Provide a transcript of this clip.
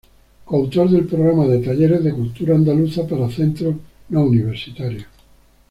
Coautor del programa de talleres de cultura andaluza para centros no universitarios.